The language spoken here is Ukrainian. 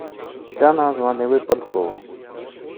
Ця назва не випадкова.